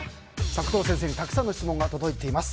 工藤先生に、たくさんの質問が届いています。